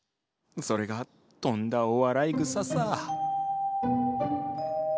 それがとんだお笑いぐささ。